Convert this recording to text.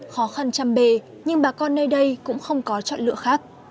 khó khăn chăm bề nhưng bà con nơi đây cũng không có chọn lựa khác